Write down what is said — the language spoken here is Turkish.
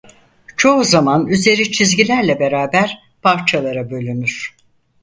Çoğu zaman üzeri çizgilerle beraber parçalara bölünür.